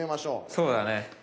そうだね。